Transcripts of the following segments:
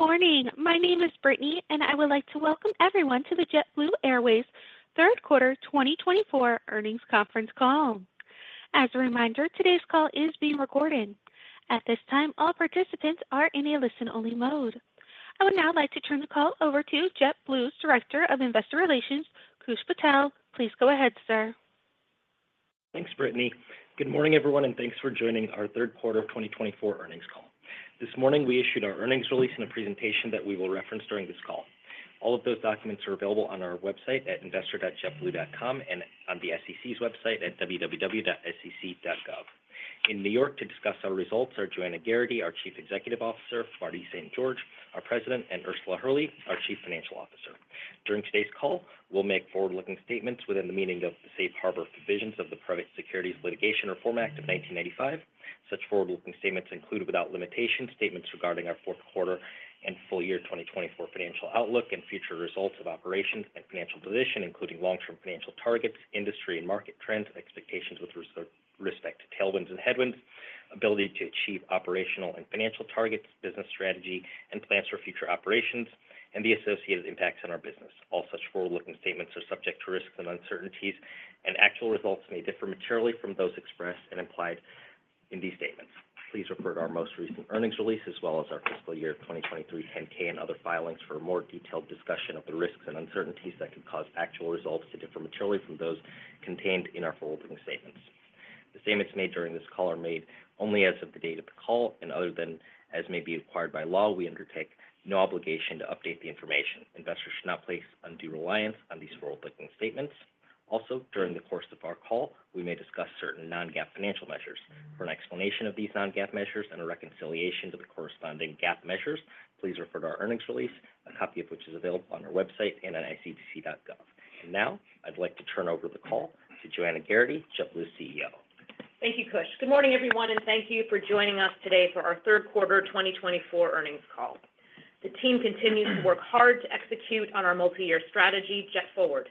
Good morning. My name is Brittany, and I would like to welcome everyone to the JetBlue Airways Third Quarter 2024 Earnings Conference Call. As a reminder, today's call is being recorded. At this time, all participants are in a listen-only mode. I would now like to turn the call over to JetBlue's Director of Investor Relations, Koosh Patel. Please go ahead, sir. Thanks, Brittany. Good morning, everyone, and thanks for joining our third quarter 2024 earnings call. This morning, we issued our earnings release and a presentation that we will reference during this call. All of those documents are available on our website at investor.jetblue.com and on the SEC's website at www.sec.gov. In New York, to discuss our results are Joanna Geraghty, our Chief Executive Officer, Marty St. George, our President, and Ursula Hurley, our Chief Financial Officer.During today's call, we'll make forward-looking statements within the meaning of the Safe Harbor Provisions of the Private Securities Litigation Reform Act of 1995. Such forward-looking statements include, without limitation, statements regarding our fourth quarter and full year 2024 financial outlook and future results of operations and financial position, including long-term financial targets, industry and market trends, expectations with respect to tailwinds and headwinds, ability to achieve operational and financial targets, business strategy and plans for future operations, and the associated impacts on our business. All such forward-looking statements are subject to risks and uncertainties, and actual results may differ materially from those expressed and implied in these statements. Please refer to our most recent earnings release as well as our fiscal year 2023 10-K and other filings for a more detailed discussion of the risks and uncertainties that could cause actual results to differ materially from those contained in our forward-looking statements. The statements made during this call are made only as of the date of the call, and other than as may be required by law, we undertake no obligation to update the information. Investors should not place undue reliance on these forward-looking statements. Also, during the course of our call, we may discuss certain non-GAAP financial measures. For an explanation of these non-GAAP measures and a reconciliation to the corresponding GAAP measures, please refer to our earnings release, a copy of which is available on our website and at sec.gov. And now, I'd like to turn over the call to Joanna Geraghty, JetBlue's CEO. Thank you, Koosh. Good morning, everyone, and thank you for joining us today for our third quarter 2024 earnings call. The team continues to work hard to execute on our multi-year strategy, JetForward,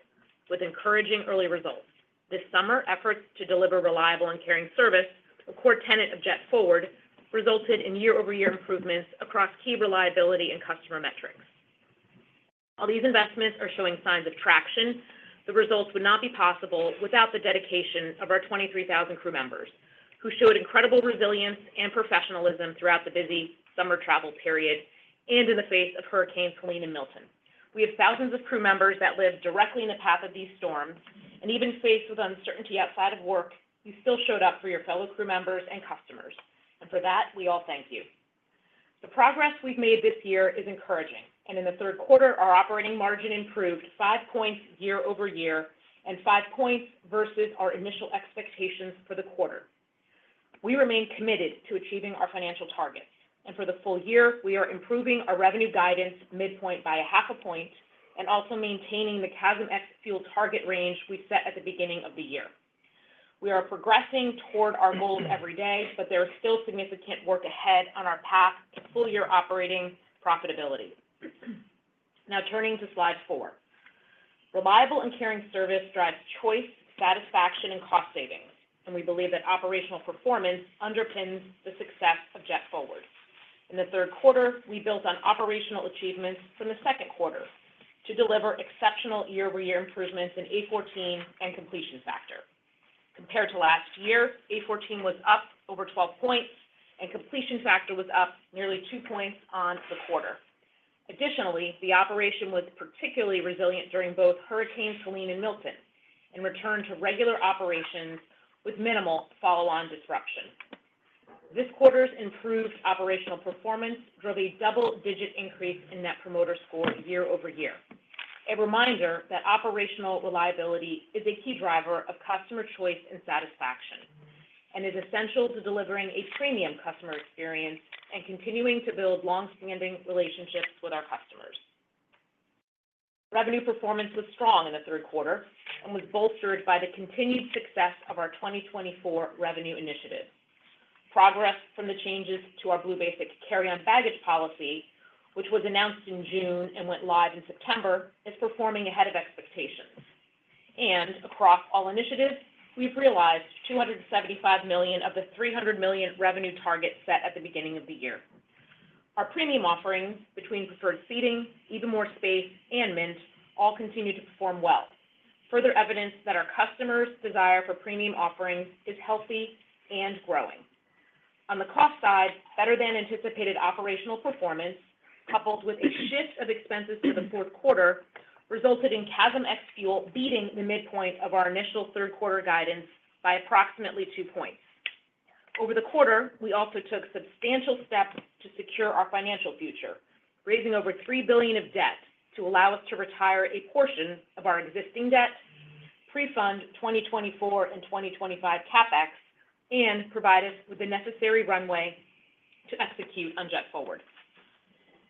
with encouraging early results. This summer, efforts to deliver reliable and caring service, a core tenet of JetForward, resulted in year-over-year improvements across key reliability and customer metrics. While these investments are showing signs of traction, the results would not be possible without the dedication of our 23,000 crew members, who showed incredible resilience and professionalism throughout the busy summer travel period and in the face of Hurricanes Helene and Milton. We have thousands of crew members that lived directly in the path of these storms and even faced with uncertainty outside of work. You still showed up for your fellow crew members and customers, and for that, we all thank you. The progress we've made this year is encouraging, and in the third quarter, our operating margin improved five points year-over-year and five points versus our initial expectations for the quarter. We remain committed to achieving our financial targets, and for the full year, we are improving our revenue guidance midpoint by 0.5 points and also maintaining the CASM ex-Fuel target range we set at the beginning of the year. We are progressing toward our goals every day, but there is still significant work ahead on our path to full-year operating profitability. Now, turning to slide four, reliable and caring service drives choice, satisfaction, and cost savings, and we believe that operational performance underpins the success of JetForward. In the third quarter, we built on operational achievements from the second quarter to deliver exceptional year-over-year improvements in A14 and completion factor. Compared to last year, A14 was up over 12 points, and completion factor was up nearly two points on the quarter. Additionally, the operation was particularly resilient during both Hurricanes Helene and Milton and returned to regular operations with minimal follow-on disruption. This quarter's improved operational performance drove a double-digit increase in Net Promoter Score year-over-year. A reminder that operational reliability is a key driver of customer choice and satisfaction and is essential to delivering a premium customer experience and continuing to build long-standing relationships with our customers. Revenue performance was strong in the third quarter and was bolstered by the continued success of our 2024 revenue initiative. Progress from the changes to our Blue Basic carry-on baggage policy, which was announced in June and went live in September, is performing ahead of expectations. Across all initiatives, we've realized $275 million of the $300 million revenue target set at the beginning of the year. Our premium offerings, between Preferred Seating, Even More Space, and Mint, all continue to perform well. Further evidence that our customers' desire for premium offerings is healthy and growing. On the cost side, better-than-anticipated operational performance, coupled with a shift of expenses for the fourth quarter, resulted in CASM ex-Fuel beating the midpoint of our initial third quarter guidance by approximately two points. Over the quarter, we also took substantial steps to secure our financial future, raising over $3 billion of debt to allow us to retire a portion of our existing debt, pre-fund 2024 and 2025 CapEx, and provide us with the necessary runway to execute on JetForward.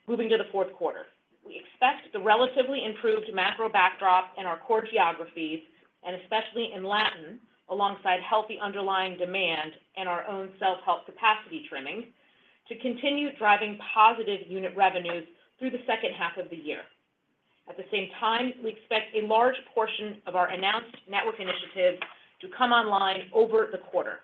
Moving to the fourth quarter, we expect the relatively improved macro backdrop in our core geographies, and especially in Latin, alongside healthy underlying demand and our own self-help capacity trimming, to continue driving positive unit revenues through the second half of the year. At the same time, we expect a large portion of our announced network initiatives to come online over the quarter.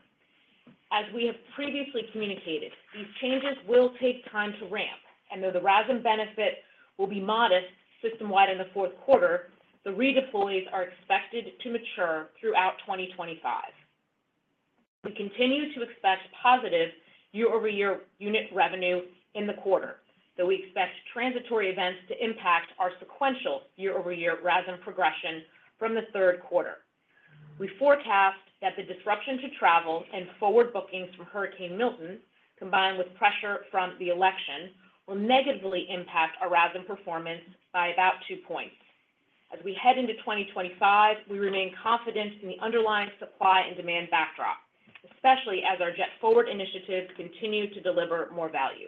As we have previously communicated, these changes will take time to ramp, and though the RASM benefit will be modest system-wide in the fourth quarter, the redeploys are expected to mature throughout 2025. We continue to expect positive year-over-year unit revenue in the quarter, though we expect transitory events to impact our sequential year-over-year RASM and progression from the third quarter. We forecast that the disruption to travel and forward bookings from Hurricane Milton, combined with pressure from the election, will negatively impact our RASM performance by about two points. As we head into 2025, we remain confident in the underlying supply and demand backdrop, especially as our JetForward initiatives continue to deliver more value.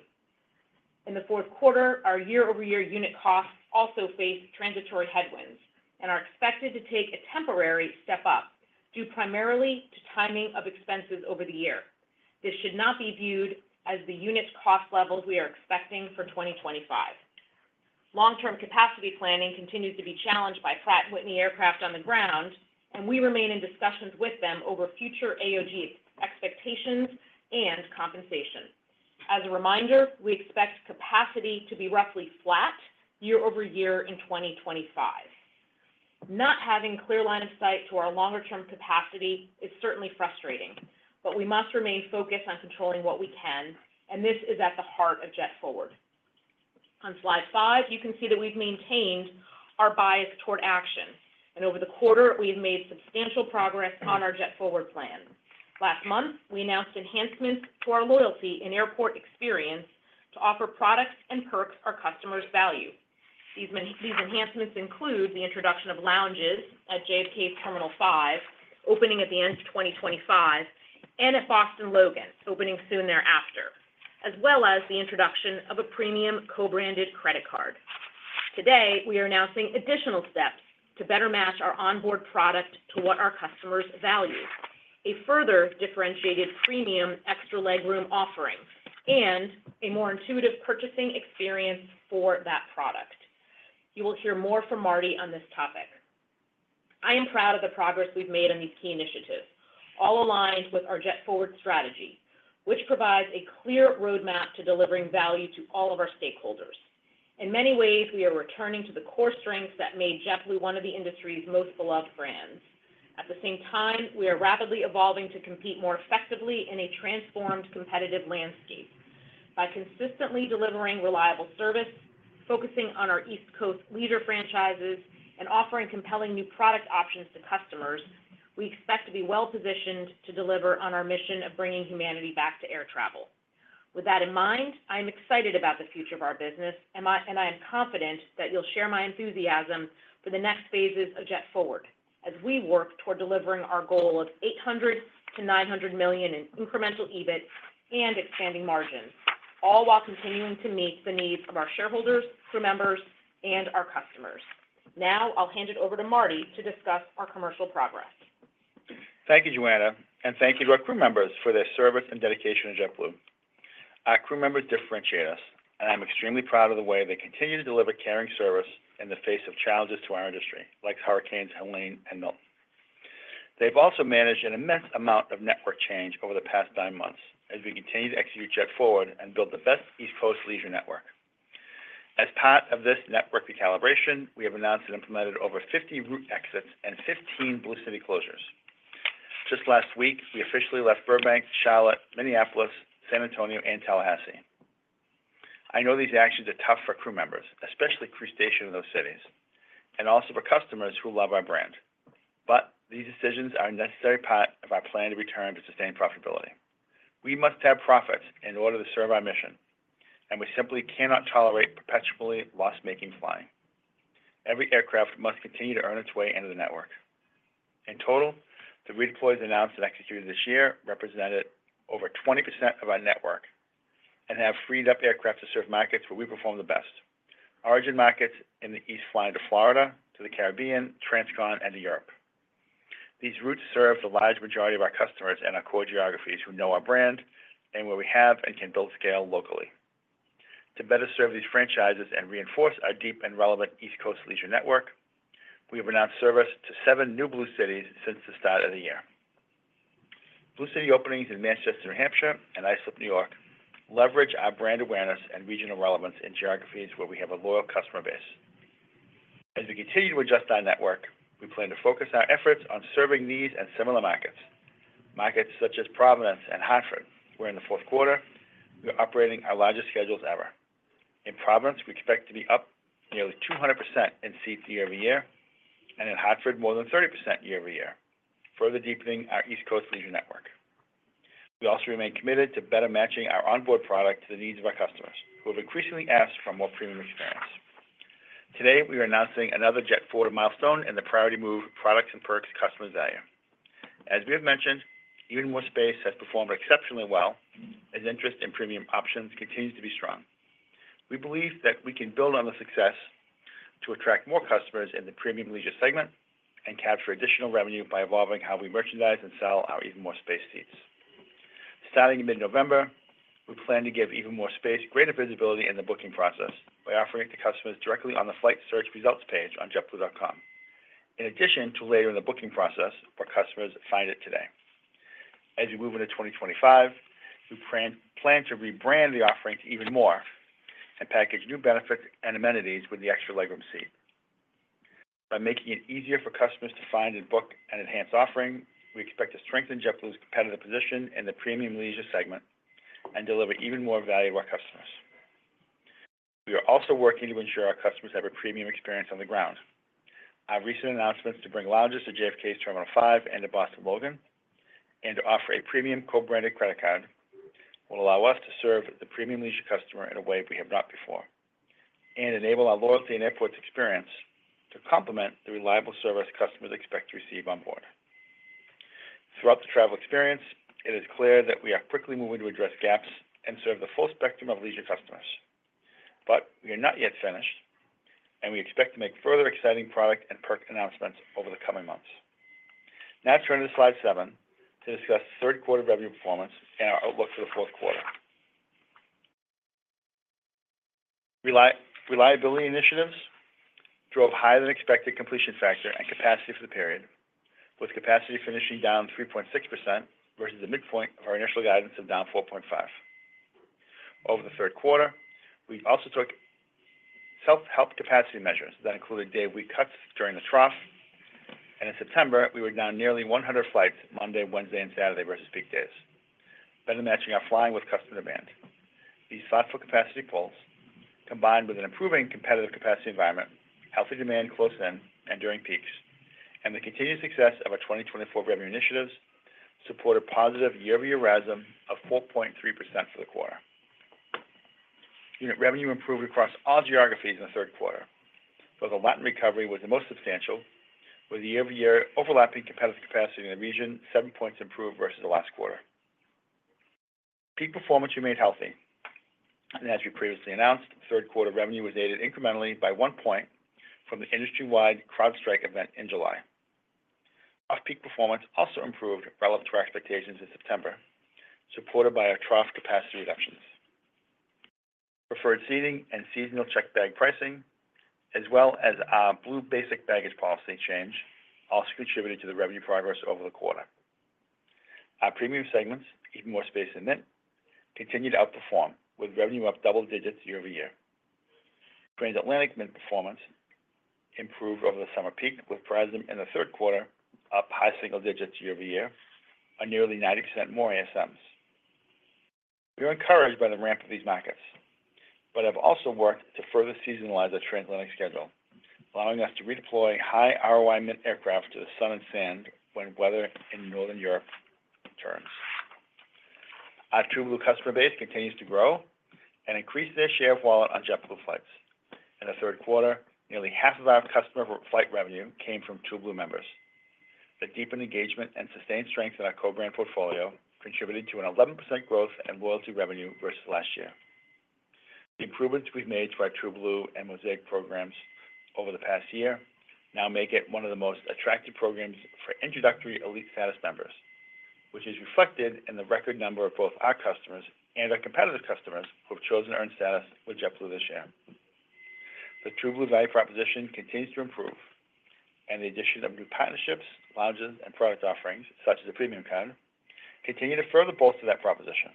In the fourth quarter, our year-over-year unit costs also face transitory headwinds and are expected to take a temporary step up due primarily to timing of expenses over the year. This should not be viewed as the unit cost levels we are expecting for 2025. Long-term capacity planning continues to be challenged by Pratt & Whitney aircraft on ground, and we remain in discussions with them over future AOG expectations and compensation. As a reminder, we expect capacity to be roughly flat year-over-year in 2025. Not having a clear line of sight to our longer-term capacity is certainly frustrating, but we must remain focused on controlling what we can, and this is at the heart of JetForward. On slide five, you can see that we've maintained our bias toward action. Over the quarter, we have made substantial progress on our JetForward plan. Last month, we announced enhancements to our loyalty and airport experience to offer products and perks our customers value. These enhancements include the introduction of lounges at JFK's Terminal 5, opening at the end of 2025, and at Boston Logan, opening soon thereafter, as well as the introduction of a premium co-branded credit card. Today, we are announcing additional steps to better match our onboard product to what our customers value: a further differentiated premium extra legroom offering and a more intuitive purchasing experience for that product. You will hear more from Marty on this topic. I am proud of the progress we've made on these key initiatives, all aligned with our JetForward strategy, which provides a clear roadmap to delivering value to all of our stakeholders. In many ways, we are returning to the core strengths that made JetBlue one of the industry's most beloved brands. At the same time, we are rapidly evolving to compete more effectively in a transformed competitive landscape. By consistently delivering reliable service, focusing on our East Coast leader franchises, and offering compelling new product options to customers, we expect to be well-positioned to deliver on our mission of bringing humanity back to air travel. With that in mind, I am excited about the future of our business, and I am confident that you'll share my enthusiasm for the next phases of JetForward as we work toward delivering our goal of $800 million-$900 million in incremental EBIT and expanding margins, all while continuing to meet the needs of our shareholders, crew members, and our customers. Now, I'll hand it over to Marty to discuss our commercial progress. Thank you, Joanna, and thank you to our crew members for their service and dedication to JetBlue. Our crew members differentiate us, and I'm extremely proud of the way they continue to deliver caring service in the face of challenges to our industry, like Hurricanes Helene and Milton. They've also managed an immense amount of network change over the past nine months as we continue to execute JetForward and build the best East Coast leisure network. As part of this network recalibration, we have announced and implemented over 50 route exits and 15 Blue City closures. Just last week, we officially left Burbank, Charlotte, Minneapolis, San Antonio, and Tallahassee. I know these actions are tough for crew members, especially crew stationed in those cities, and also for customers who love our brand. But these decisions are a necessary part of our plan to return to sustained profitability. We must have profits in order to serve our mission, and we simply cannot tolerate perpetually loss-making flying. Every aircraft must continue to earn its way into the network. In total, the redeploys announced and executed this year represented over 20% of our network and have freed up aircraft to serve markets where we perform the best: origin markets in the East, flying to Florida, to the Caribbean, transcontinental, and to Europe. These routes serve the large majority of our customers and our core geographies who know our brand and where we have and can build scale locally. To better serve these franchises and reinforce our deep and relevant East Coast leisure network, we have announced service to seven new Blue Cities since the start of the year. Blue City openings in Manchester, New Hampshire, and Islip, New York, leverage our brand awareness and regional relevance in geographies where we have a loyal customer base. As we continue to adjust our network, we plan to focus our efforts on serving these and similar markets, markets such as Providence and Hartford, where in the fourth quarter, we are operating our largest schedules ever. In Providence, we expect to be up nearly 200% in seats year-over-year and in Hartford, more than 30% year-over-year, further deepening our East Coast leisure network. We also remain committed to better matching our onboard product to the needs of our customers, who have increasingly asked for more premium experience. Today, we are announcing another JetForward milestone in the priority move products and perks customers value. As we have mentioned, Even More Space has performed exceptionally well as interest in premium options continues to be strong. We believe that we can build on the success to attract more customers in the premium leisure segment and capture additional revenue by evolving how we merchandise and sell our Even More Space seats. Starting in mid-November, we plan to give Even More Space greater visibility in the booking process by offering it to customers directly on the flight search results page on JetBlue.com, in addition to later in the booking process where customers find it today. As we move into 2025, we plan to rebrand the offering to Even More and package new benefits and amenities with the extra legroom seat. By making it easier for customers to find and book an enhanced offering, we expect to strengthen JetBlue's competitive position in the premium leisure segment and deliver even more value to our customers. We are also working to ensure our customers have a premium experience on the ground. Our recent announcements to bring lounges to JFK's Terminal 5 and to Boston Logan and to offer a premium co-branded credit card will allow us to serve the premium leisure customer in a way we have not before and enable our loyalty and airports experience to complement the reliable service customers expect to receive on board. Throughout the travel experience, it is clear that we are quickly moving to address gaps and serve the full spectrum of leisure customers. But we are not yet finished, and we expect to make further exciting product and perk announcements over the coming months. Now, turn to slide seven to discuss third quarter revenue performance and our outlook for the fourth quarter. Reliability initiatives drove higher-than-expected completion factor and capacity for the period, with capacity finishing down 3.6% versus the midpoint of our initial guidance of down 4.5%. Over the third quarter, we also took self-help capacity measures that included day-of-week cuts during the trough, and in September, we were down nearly 100 flights Monday, Wednesday, and Saturday versus peak days, better matching our flying with customer demand. These thoughtful capacity pulls, combined with an improving competitive capacity environment, healthy demand close in and during peaks, and the continued success of our 2024 revenue initiatives supported positive year-over-year RASM of 4.3% for the quarter. Unit revenue improved across all geographies in the third quarter, though the Latin recovery was the most substantial, with the year-over-year overlapping competitive capacity in the region seven points improved versus the last quarter. Peak performance remained healthy. And as we previously announced, third quarter revenue was aided incrementally by one point from the industry-wide CrowdStrike event in July. Off-peak performance also improved relative to our expectations in September, supported by our trough capacity reductions. Preferred Seating and seasonal checked bag pricing, as well as our Blue Basic baggage policy change, also contributed to the revenue progress over the quarter. Our premium segments, Even More Space in Mint, continued to outperform with revenue up double digits year-over-year. Transatlantic Mint performance improved over the summer peak with RASM in the third quarter up high single digits year-over-year, on nearly 90% more ASMs.We are encouraged by the ramp of these markets, but have also worked to further seasonalize our transatlantic schedule, allowing us to redeploy high ROI Mint aircraft to the sun and sand when weather in northern Europe turns. Our TrueBlue customer base continues to grow and increase their share of wallet on JetBlue flights. In the third quarter, nearly half of our customer flight revenue came from TrueBlue members. The deepened engagement and sustained strength in our co-brand portfolio contributed to an 11% growth in loyalty revenue versus last year. The improvements we've made for our TrueBlue and Mosaic programs over the past year now make it one of the most attractive programs for introductory elite status members, which is reflected in the record number of both our customers and our competitive customers who have chosen to earn status with JetBlue this year. The TrueBlue value proposition continues to improve, and the addition of new partnerships, lounges, and product offerings such as a premium card continue to further bolster that proposition.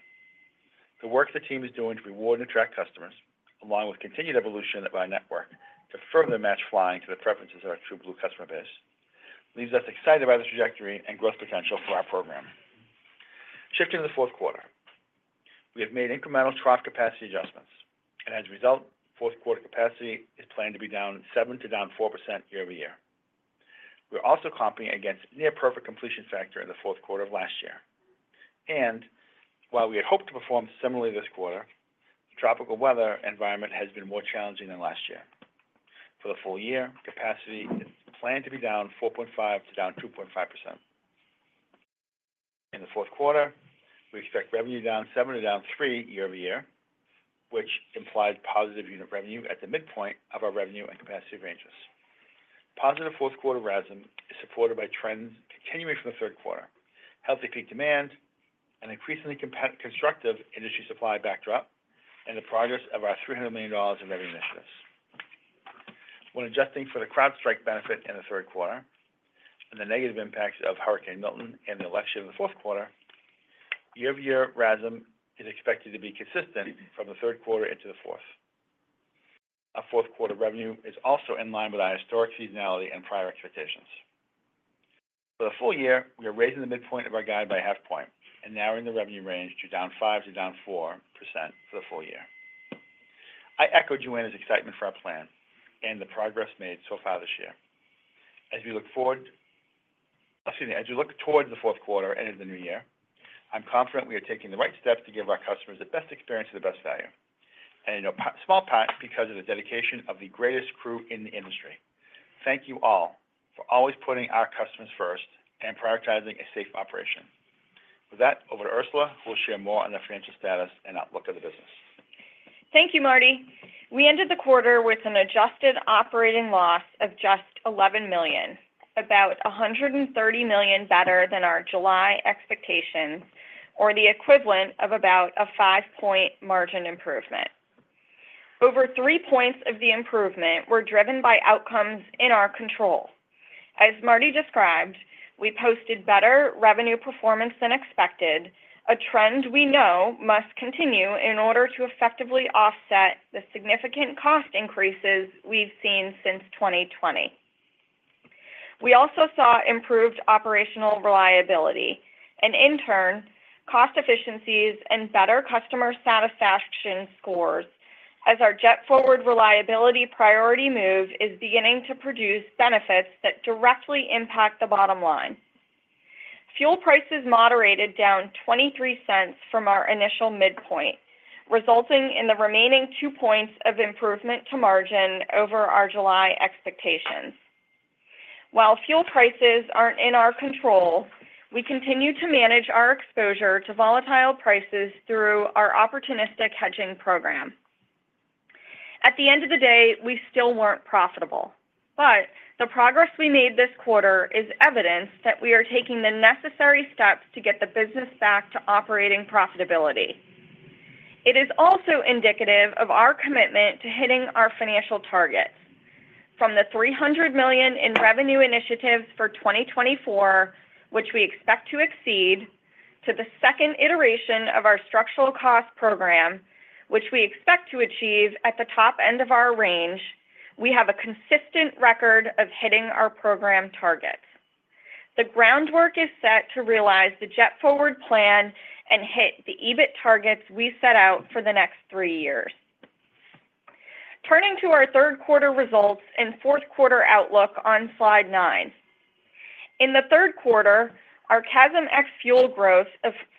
The work the team is doing to reward and attract customers, along with continued evolution of our network to further match flying to the preferences of our TrueBlue customer base, leaves us excited by the trajectory and growth potential for our program. Shifting to the fourth quarter, we have made incremental trough capacity adjustments. And as a result, fourth quarter capacity is planned to be down 7% to down 4% year-over-year. We're also comping against near-perfect completion factor in the fourth quarter of last year. And while we had hoped to perform similarly this quarter, the tropical weather environment has been more challenging than last year. For the full year, capacity is planned to be down 4.5% to down 2.5%. In the fourth quarter, we expect revenue down 7% to down 3% year-over-year, which implies positive unit revenue at the midpoint of our revenue and capacity ranges. Positive fourth quarter RASM and CASM is supported by trends continuing from the third quarter, healthy peak demand, and increasingly constructive industry supply backdrop, and the progress of our $300 million in revenue initiatives. When adjusting for the CrowdStrike benefit in the third quarter and the negative impacts of Hurricane Milton and the election in the fourth quarter, year-over-year RASM and CASM is expected to be consistent from the third quarter into the fourth. Our fourth quarter revenue is also in line with our historic seasonality and prior expectations. For the full year, we are raising the midpoint of our guide by half point and narrowing the revenue range to down 5% to down 4% for the full year. I echo Joanna's excitement for our plan and the progress made so far this year. As we look towards the fourth quarter and into the new year, I'm confident we are taking the right steps to give our customers the best experience and the best value, and in no small part because of the dedication of the greatest crew in the industry. Thank you all for always putting our customers first and prioritizing a safe operation. With that, over to Ursula, who will share more on the financial status and outlook of the business. Thank you, Marty. We ended the quarter with an adjusted operating loss of just $11 million, about $130 million better than our July expectations or the equivalent of about a five-point margin improvement. Over three points of the improvement were driven by outcomes in our control. As Marty described, we posted better revenue performance than expected, a trend we know must continue in order to effectively offset the significant cost increases we've seen since 2020. We also saw improved operational reliability and, in turn, cost efficiencies and better customer satisfaction scores as our JetForward reliability priority move is beginning to produce benefits that directly impact the bottom line. Fuel prices moderated down $0.23 from our initial midpoint, resulting in the remaining two points of improvement to margin over our July expectations. While fuel prices aren't in our control, we continue to manage our exposure to volatile prices through our opportunistic hedging program. At the end of the day, we still weren't profitable. But the progress we made this quarter is evidence that we are taking the necessary steps to get the business back to operating profitability. It is also indicative of our commitment to hitting our financial targets from the $300 million in revenue initiatives for 2024, which we expect to exceed, to the second iteration of our structural cost program, which we expect to achieve at the top end of our range, we have a consistent record of hitting our program targets. The groundwork is set to realize the JetForward plan and hit the EBIT targets we set out for the next three years. Turning to our third quarter results and fourth quarter outlook on slide nine. In the third quarter, our CASM ex-fuel growth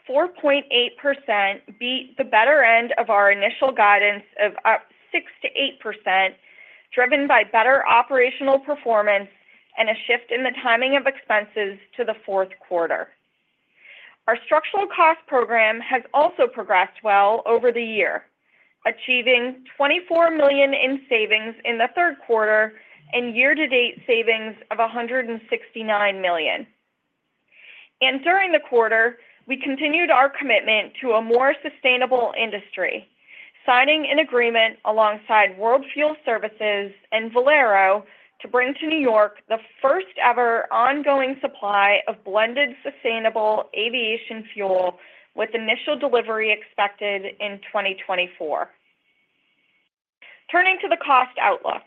of 4.8% beat the better end of our initial guidance of up 6%-8%, driven by better operational performance and a shift in the timing of expenses to the fourth quarter. Our structural cost program has also progressed well over the year, achieving $24 million in savings in the third quarter and year-to-date savings of $169 million. And during the quarter, we continued our commitment to a more sustainable industry, signing an agreement alongside World Fuel Services and Valero to bring to New York the first-ever ongoing supply of blended sustainable aviation fuel with initial delivery expected in 2024. Turning to the cost outlook,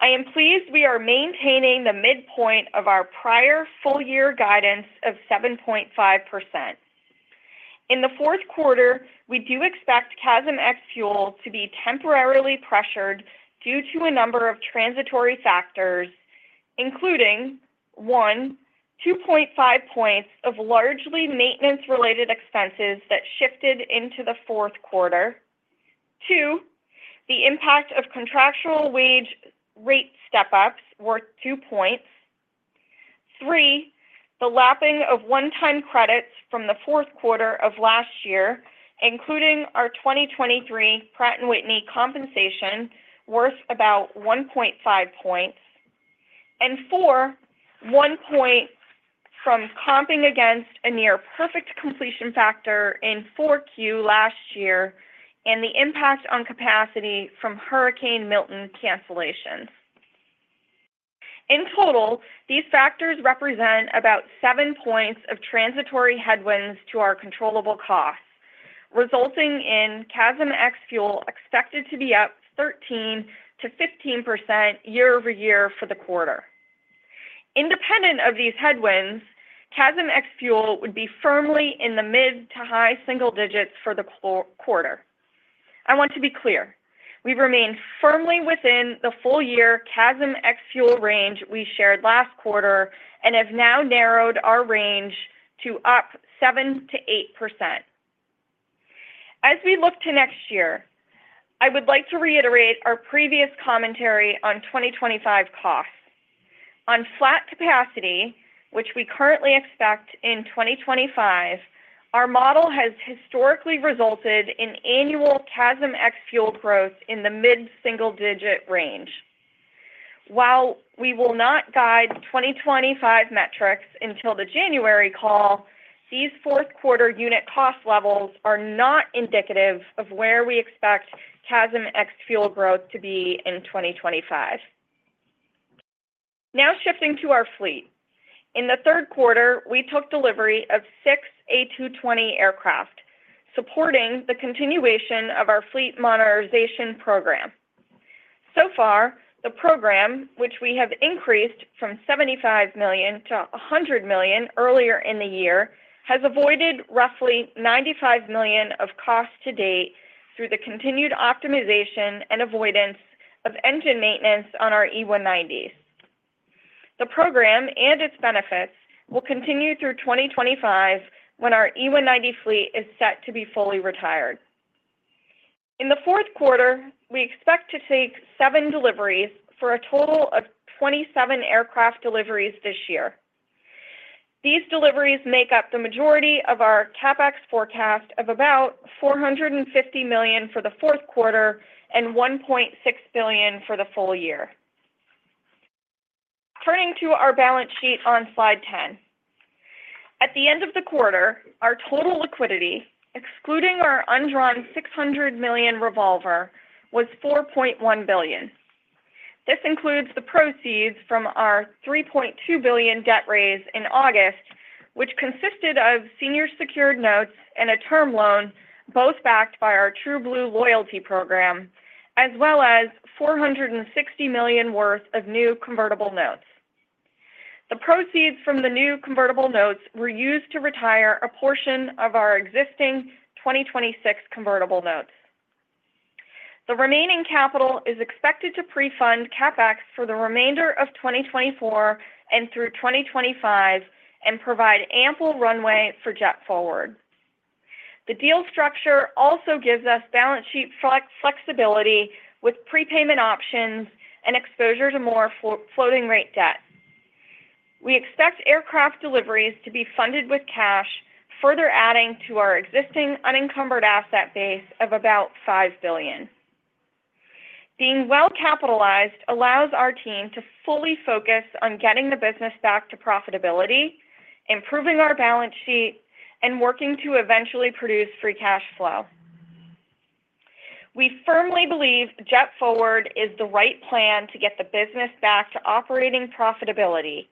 I am pleased we are maintaining the midpoint of our prior full-year guidance of 7.5%. In the fourth quarter, we do expect CASM ex-Fuel to be temporarily pressured due to a number of transitory factors, including one, 2.5 points of largely maintenance-related expenses that shifted into the fourth quarter. Two, the impact of contractual wage rate step-ups worth two points. Three, the lapping of one-time credits from the fourth quarter of last year, including our 2023 Pratt & Whitney compensation, worth about 1.5 points. And four, one point from comping against a near-perfect completion factor in 4Q last year and the impact on capacity from Hurricane Milton cancellations. In total, these factors represent about seven points of transitory headwinds to our controllable costs, resulting in CASM ex Fuel expected to be up 13%-15% year-over-year for the quarter. Independent of these headwinds, CASM ex Fuel would be firmly in the mid to high single digits for the quarter. I want to be clear. We remain firmly within the full-year CASM ex-Fuel range we shared last quarter and have now narrowed our range to up 7%-8%. As we look to next year, I would like to reiterate our previous commentary on 2025 costs. On flat capacity, which we currently expect in 2025, our model has historically resulted in annual CASM ex-Fuel growth in the mid single-digit range. While we will not guide 2025 metrics until the January call, these fourth quarter unit cost levels are not indicative of where we expect CASM ex-Fuel growth to be in 2025. Now shifting to our fleet. In the third quarter, we took delivery of six A220 aircraft, supporting the continuation of our fleet modernization program. So far, the program, which we have increased from $75 million-$100 million earlier in the year, has avoided roughly $95 million of cost to date through the continued optimization and avoidance of engine maintenance on our E190s. The program and its benefits will continue through 2025 when our E190 fleet is set to be fully retired. In the fourth quarter, we expect to take seven deliveries for a total of 27 aircraft deliveries this year. These deliveries make up the majority of our CapEx forecast of about $450 million for the fourth quarter and $1.6 billion for the full year. Turning to our balance sheet on slide 10. At the end of the quarter, our total liquidity, excluding our undrawn $600 million revolver, was $4.1 billion. This includes the proceeds from our $3.2 billion debt raise in August, which consisted of senior secured notes and a term loan both backed by our TrueBlue loyalty program, as well as $460 million worth of new convertible notes. The proceeds from the new convertible notes were used to retire a portion of our existing 2026 convertible notes. The remaining capital is expected to pre-fund CapEx for the remainder of 2024 and through 2025 and provide ample runway for JetForward. The deal structure also gives us balance sheet flexibility with prepayment options and exposure to more floating rate debt. We expect aircraft deliveries to be funded with cash, further adding to our existing unencumbered asset base of about $5 billion. Being well capitalized allows our team to fully focus on getting the business back to profitability, improving our balance sheet, and working to eventually produce free cash flow. We firmly believe JetForward is the right plan to get the business back to operating profitability,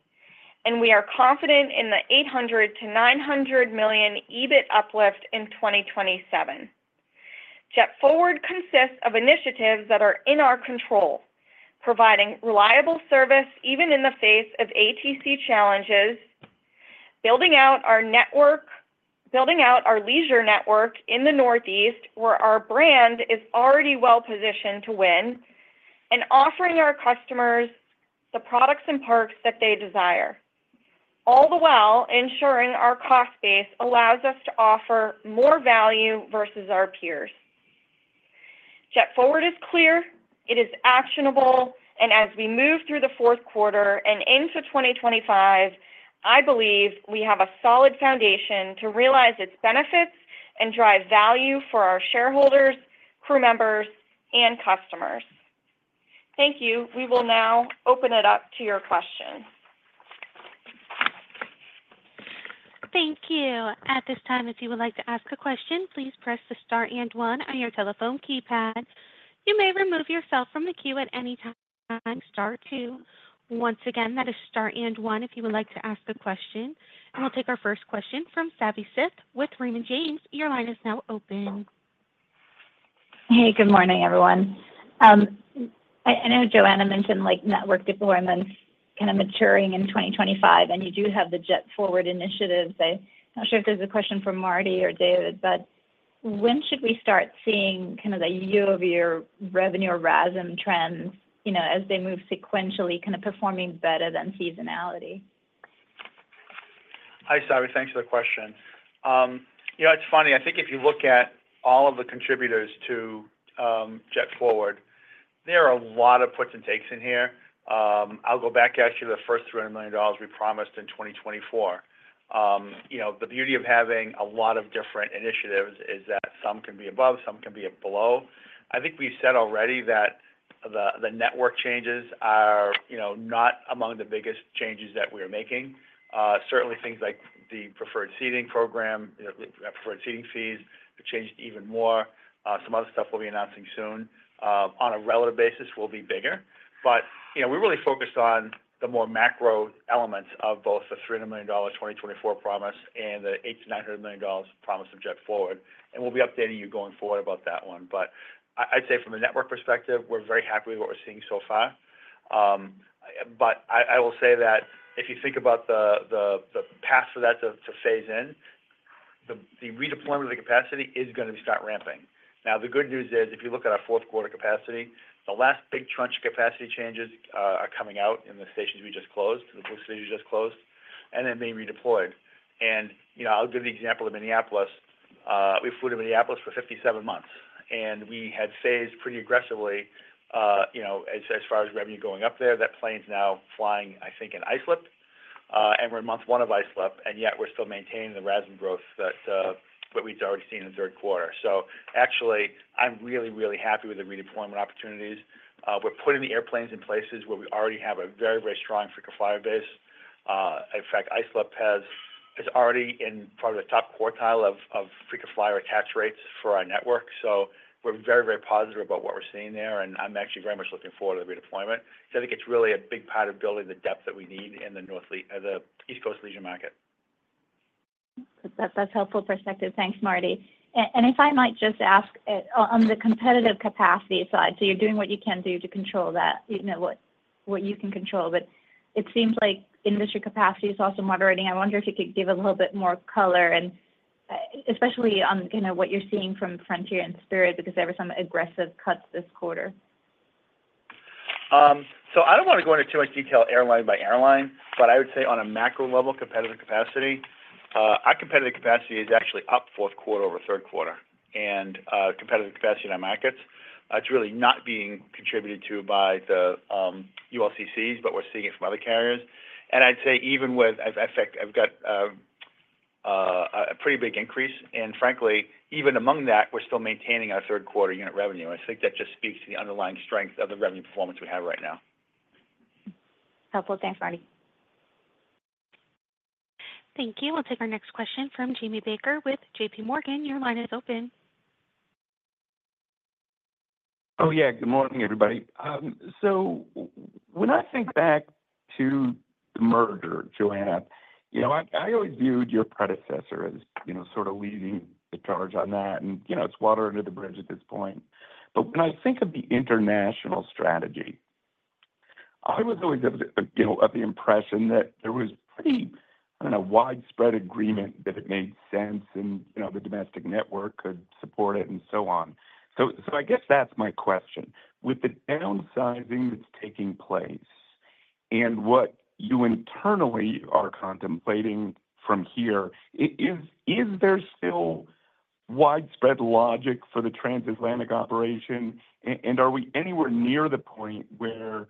and we are confident in the $800 million-$900 million EBIT uplift in 2027. JetForward consists of initiatives that are in our control, providing reliable service even in the face of ATC challenges, building out our leisure network in the Northeast, where our brand is already well positioned to win, and offering our customers the products and perks that they desire. All the while, ensuring our cost base allows us to offer more value versus our peers. JetForward is clear. It is actionable. And as we move through the fourth quarter and into 2025, I believe we have a solid foundation to realize its benefits and drive value for our shareholders, crew members, and customers. Thank you. We will now open it up to your questions. Thank you. At this time, if you would like to ask a question, please press the Star and 1 on your telephone keypad. You may remove yourself from the queue at any time. Star 2. Once again, that is Star and 1 if you would like to ask a question. And we'll take our first question from Savi Syth with Raymond James. Your line is now open. Hey, good morning, everyone. I know Joanna mentioned network deployments kind of maturing in 2025, and you do have the JetForward initiative. I'm not sure if there's a question for Marty or David, but when should we start seeing kind of the year-over-year revenue or RASM and CASM trends as they move sequentially, kind of performing better than seasonality? Hi, Savi. Thanks for the question. It's funny. I think if you look at all of the contributors to JetForward, there are a lot of puts and takes in here. I'll go back to actually the first $300 million we promised in 2024. The beauty of having a lot of different initiatives is that some can be above, some can be below. I think we've said already that the network changes are not among the biggest changes that we are making. Certainly, things like the Preferred Seating program, Preferred Seating fees, have changed even more. Some other stuff we'll be announcing soon. On a relative basis, we'll be bigger. But we really focused on the more macro elements of both the $300 million 2024 promise and the $800-$900 million promise of JetForward. And we'll be updating you going forward about that one. But I'd say from the network perspective, we're very happy with what we're seeing so far. But I will say that if you think about the path for that to phase in, the redeployment of the capacity is going to start ramping. Now, the good news is if you look at our fourth quarter capacity, the last big tranche capacity changes are coming out in the stations we just closed, the Blue stations we just closed, and then being redeployed. And I'll give the example of Minneapolis. We flew to Minneapolis for 57 months, and we had raised pretty aggressively as far as revenue going up there. That plane's now flying, I think, in Islip, and we're in month one of Islip, and yet we're still maintaining the RASM and RASM growth that we've already seen in the third quarter. So actually, I'm really, really happy with the redeployment opportunities. We're putting the airplanes in places where we already have a very, very strong frequent flyer base. In fact, Islip is already in probably the top quartile of frequent flyer attach rates for our network. So we're very, very positive about what we're seeing there, and I'm actually very much looking forward to the redeployment. So I think it's really a big part of building the depth that we need in the East Coast leisure market. That's helpful perspective. Thanks, Marty. And if I might just ask on the competitive capacity side, so you're doing what you can do to control that, what you can control, but it seems like industry capacity is also moderating. I wonder if you could give a little bit more color, especially on kind of what you're seeing from Frontier and Spirit because there were some aggressive cuts this quarter? So I don't want to go into too much detail airline by airline, but I would say on a macro level, competitive capacity. Our competitive capacity is actually up fourth quarter over third quarter. And competitive capacity in our markets, it's really not being contributed to by the ULCCs, but we're seeing it from other carriers. And I'd say even with, in fact, I've got a pretty big increase. And frankly, even among that, we're still maintaining our third quarter unit revenue. I think that just speaks to the underlying strength of the revenue performance we have right now. Helpful. Thanks, Marty. Thank you. We'll take our next question from Jamie Baker with J.P. Morgan. Your line is open. Oh, yeah. Good morning, everybody. So when I think back to the merger, Joanna, I always viewed your predecessor as sort of leading the charge on that, and it's water under the bridge at this point. But when I think of the international strategy, I was always of the impression that there was pretty, I don't know, widespread agreement that it made sense and the domestic network could support it and so on. So I guess that's my question. With the downsizing that's taking place and what you internally are contemplating from here, is there still widespread logic for the transatlantic operation, and are we anywhere near the point where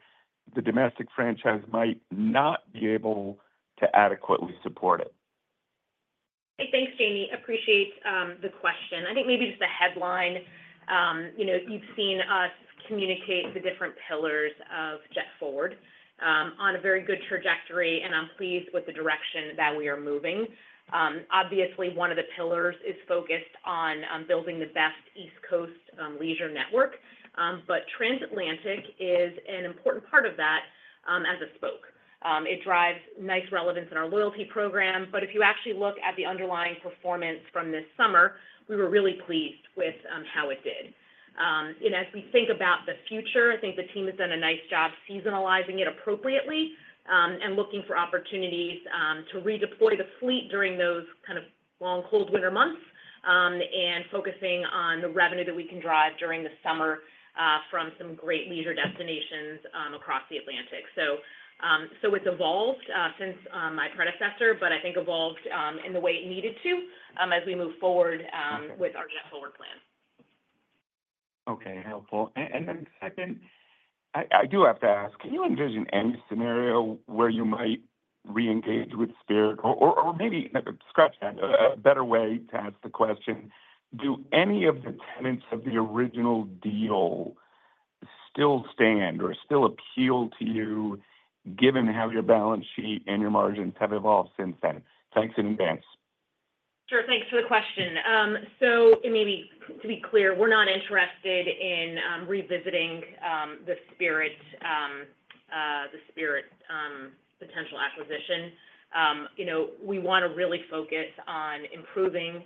the domestic franchise might not be able to adequately support it? Hey, thanks, Jamie. Appreciate the question. I think maybe just the headline, you've seen us communicate the different pillars of JetForward on a very good trajectory, and I'm pleased with the direction that we are moving. Obviously, one of the pillars is focused on building the best East Coast leisure network, but transatlantic is an important part of that as a spoke. It drives nice relevance in our loyalty program, but if you actually look at the underlying performance from this summer, we were really pleased with how it did, and as we think about the future, I think the team has done a nice job seasonalizing it appropriately and looking for opportunities to redeploy the fleet during those kind of long, cold winter months and focusing on the revenue that we can drive during the summer from some great leisure destinations across the Atlantic.It's evolved since my predecessor, but I think evolved in the way it needed to as we move forward with our JetForward plan. Okay. Helpful. And then second, I do have to ask, can you envision any scenario where you might reengage with Spirit or maybe scratch that, a better way to ask the question, do any of the tenets of the original deal still stand or still appeal to you given how your balance sheet and your margins have evolved since then? Thanks in advance. Sure. Thanks for the question. So maybe to be clear, we're not interested in revisiting the Spirit potential acquisition. We want to really focus on improving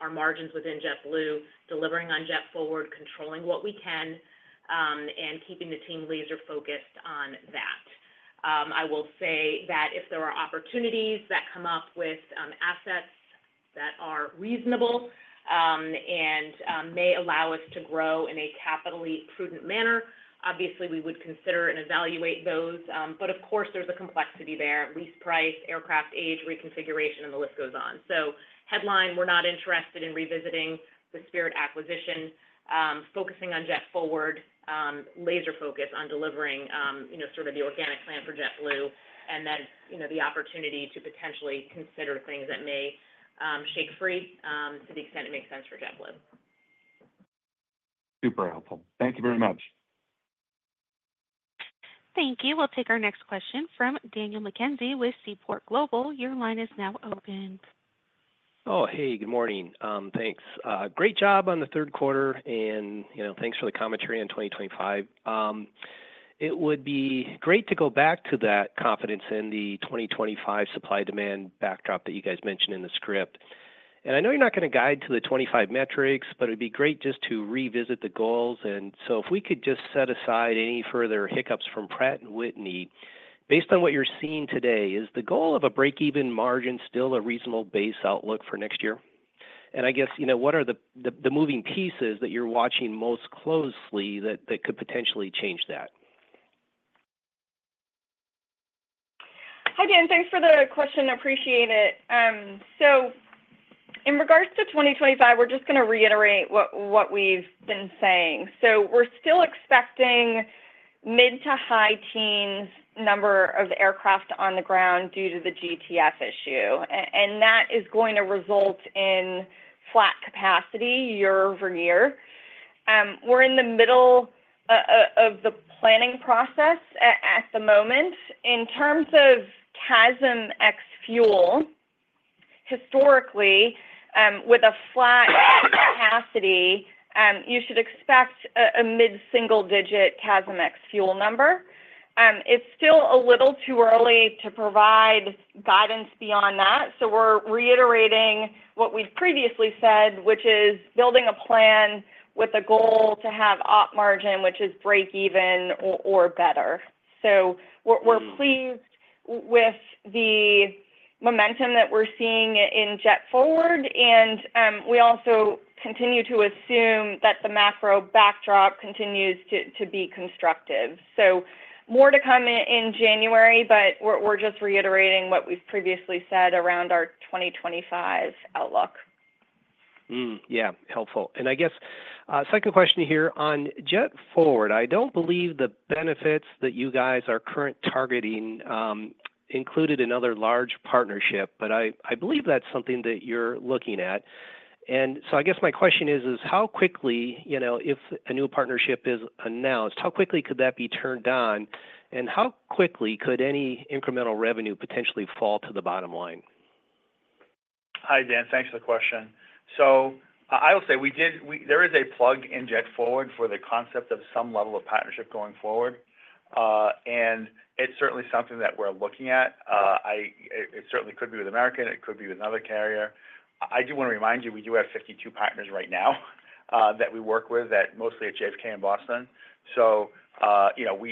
our margins within JetBlue, delivering on JetForward, controlling what we can, and keeping the team laser-focused on that. I will say that if there are opportunities that come up with assets that are reasonable and may allow us to grow in a capitally prudent manner, obviously, we would consider and evaluate those. But of course, there's a complexity there, lease price, aircraft age, reconfiguration, and the list goes on. So headline, we're not interested in revisiting the Spirit acquisition, focusing on JetForward, laser-focused on delivering sort of the organic plan for JetBlue, and then the opportunity to potentially consider things that may shake free to the extent it makes sense for JetBlue. Super helpful. Thank you very much. Thank you. We'll take our next question from Daniel McKenzie with Seaport Global. Your line is now open. Oh, hey, good morning. Thanks. Great job on the third quarter, and thanks for the commentary on 2025. It would be great to go back to that confidence in the 2025 supply-demand backdrop that you guys mentioned in the script. And I know you're not going to guide to the '25 metrics, but it would be great just to revisit the goals. And so if we could just set aside any further hiccups from Pratt & Whitney, based on what you're seeing today, is the goal of a break-even margin still a reasonable base outlook for next year? And I guess, what are the moving pieces that you're watching most closely that could potentially change that? Hi, Dan. Thanks for the question. Appreciate it. So in regards to 2025, we're just going to reiterate what we've been saying. So we're still expecting mid- to high-teens number of aircraft on the ground due to the GTF issue. And that is going to result in flat capacity year over year. We're in the middle of the planning process at the moment. In terms of CASM ex-Fuel, historically, with a flat capacity, you should expect a mid-single-digit CASM ex-Fuel number. It's still a little too early to provide guidance beyond that. So we're reiterating what we've previously said, which is building a plan with a goal to have operating margin, which is break-even or better. So we're pleased with the momentum that we're seeing in JetForward, and we also continue to assume that the macro backdrop continues to be constructive. So more to come in January, but we're just reiterating what we've previously said around our 2025 outlook. Yeah. Helpful. And I guess second question here on JetForward, I don't believe the benefits that you guys are currently targeting included in other large partnerships, but I believe that's something that you're looking at. And so I guess my question is, how quickly, if a new partnership is announced, how quickly could that be turned on, and how quickly could any incremental revenue potentially fall to the bottom line? Hi, Dan. Thanks for the question. So I will say there is a plug in JetForward for the concept of some level of partnership going forward. And it's certainly something that we're looking at. It certainly could be with American. It could be with another carrier. I do want to remind you we do have 52 partners right now that we work with, mostly at JFK in Boston. So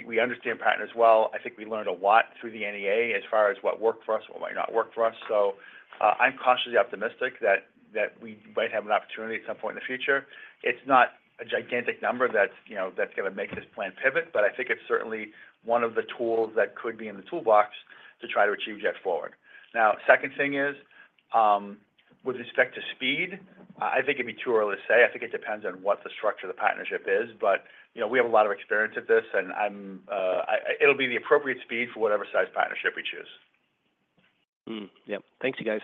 we understand partners well. I think we learned a lot through the NEA as far as what worked for us, what might not work for us. So I'm cautiously optimistic that we might have an opportunity at some point in the future. It's not a gigantic number that's going to make this plan pivot, but I think it's certainly one of the tools that could be in the toolbox to try to achieve JetForward.Now, second thing is, with respect to speed, I think it'd be too early to say. I think it depends on what the structure of the partnership is, but we have a lot of experience at this, and it'll be the appropriate speed for whatever size partnership we choose. Yep. Thanks, you guys.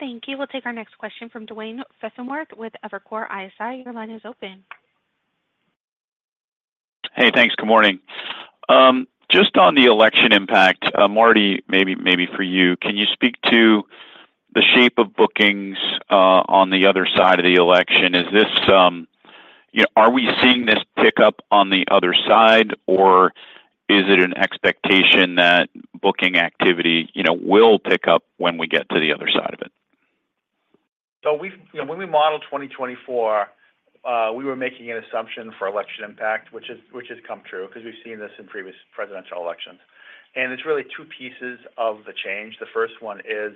Thank you. We'll take our next question from Duane Pfennigwerth with Evercore ISI. Your line is open. Hey, thanks. Good morning. Just on the election impact, Marty, maybe for you, can you speak to the shape of bookings on the other side of the election? Are we seeing this pick up on the other side, or is it an expectation that booking activity will pick up when we get to the other side of it? So when we modeled 2024, we were making an assumption for election impact, which has come true because we've seen this in previous presidential elections. And it's really two pieces of the change. The first one is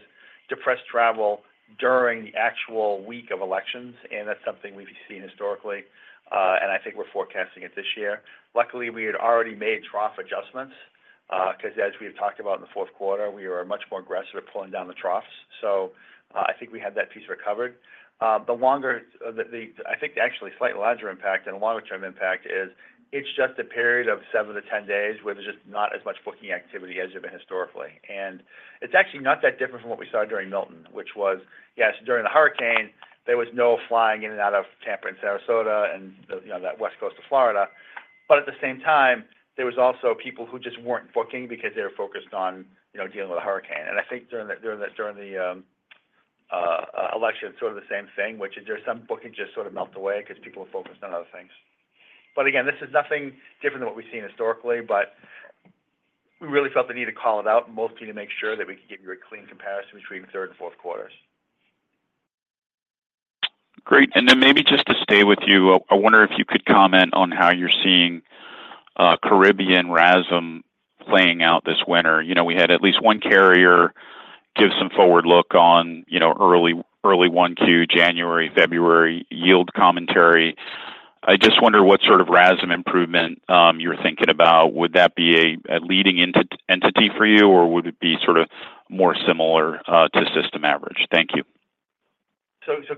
depressed travel during the actual week of elections, and that's something we've seen historically, and I think we're forecasting it this year. Luckily, we had already made trough adjustments because, as we've talked about in the fourth quarter, we were much more aggressive at pulling down the troughs. So I think we had that piece recovered. The longer, I think actually slightly larger impact and longer-term impact is it's just a period of 7 to 10 days where there's just not as much booking activity as there's been historically.It's actually not that different from what we saw during Milton, which was, yes, during the hurricane, there was no flying in and out of Tampa and Sarasota and that west coast of Florida. But at the same time, there were also people who just weren't booking because they were focused on dealing with the hurricane. And I think during the election, sort of the same thing, which is there's some booking just sort of melt away because people are focused on other things. But again, this is nothing different than what we've seen historically, but we really felt the need to call it out, mostly to make sure that we can give you a clean comparison between third and fourth quarters. Great. And then maybe just to stay with you, I wonder if you could comment on how you're seeing Caribbean RASM playing out this winter. We had at least one carrier give some forward look on early 1Q, January, February yield commentary. I just wonder what sort of RASM improvement you're thinking about. Would that be a leading indicator for you, or would it be sort of more similar to system average? Thank you.